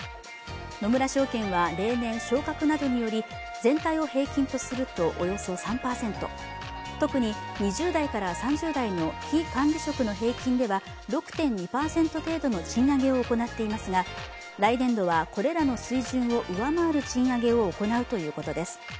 野村証券は例年、昇格などにより全体を平均とするとおよそ３％、特に２０代から３０代の非管理職の平均では６．２％程度の賃上げを行っていますが来年度はこれらの水準を上回る賃上げを行うということです。